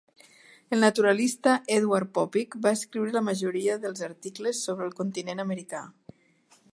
El naturalista Eduard Poeppig va escriure la majoria dels articles sobre el continent americà.